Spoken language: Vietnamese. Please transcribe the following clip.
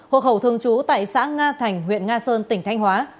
hộ khẩu thường trú tại xã nga thành huyện nga sơn tỉnh thanh hóa